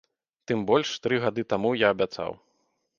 Тым больш, тры гады таму я абяцаў.